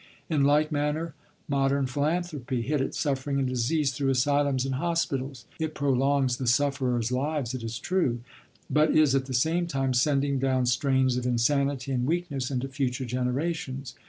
In like manner, modern philanthropy hit at suffering and disease through asylums and hospitals; it prolongs the sufferers' lives, it is true, but is, at the same time, sending down strains of insanity and weakness into future generations.